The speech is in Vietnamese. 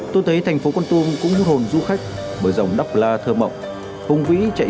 tôi thấy thành phố con tôm cũng hút hồn du khách bởi dòng đọc la thơ mộng